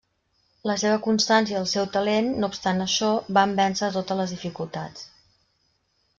La seva constància i el seu talent, no obstant això, van vèncer totes les dificultats.